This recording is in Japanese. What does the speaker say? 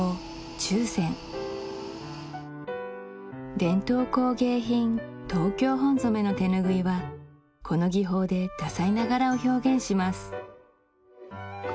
注染伝統工芸品東京本染の手ぬぐいはこの技法で多彩な柄を表現します